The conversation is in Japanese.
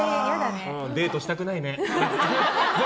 デートしたくないね。